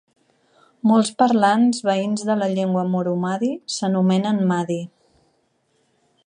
Molts parlants veïns de la llengua moru-madi s'anomenen Madi.